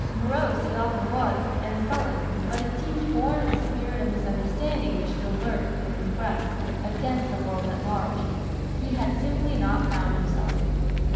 Morose he often was, and sullen, but it seemed born of the spirit of misunderstanding which still lurked within his breast, against the world at large. He had simply not found himself.